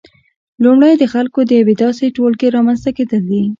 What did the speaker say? لومړی د خلکو د یو داسې ټولګي رامنځته کېدل دي